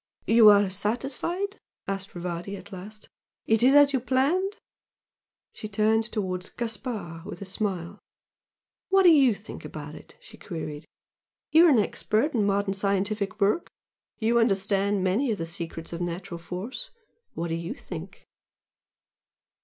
"You are satisfied?" asked Rivardi, at last "It is as you planned?" She turned towards Gaspard with a smile. "What do YOU think about it?" she queried "You are an expert in modern scientific work you understand many of the secrets of natural force what do YOU think?"